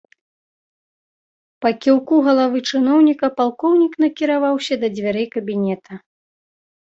Па кіўку галавы чыноўніка палкоўнік накіраваўся да дзвярэй кабінета.